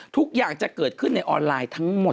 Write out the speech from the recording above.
ทุกอย่างจะเกิดขึ้นในออนไลน์ทั้งหมด